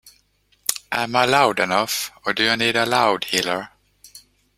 Am I loud enough, or do I need a loudhailer?